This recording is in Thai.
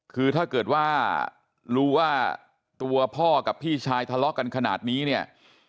คือถ้าเกิดว่ารู้ว่าตัวพ่อกับพี่ชายทะเลาะกันขนาดนี้เนี่ย